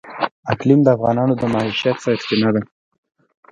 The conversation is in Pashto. اقلیم د افغانانو د معیشت سرچینه ده.